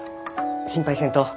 心配せんと。